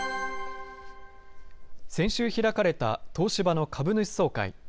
先週開かれた東芝の株主総会。